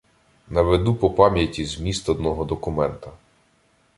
Наведу по пам'яті зміст одного документа.